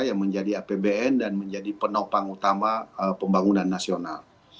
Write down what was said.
yang menjadi apbn dan menjadi penopang utama pembangunan nasional